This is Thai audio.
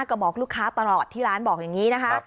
ก็บอกลูกค้าตลอดที่ร้านบอกอย่างนี้นะคะ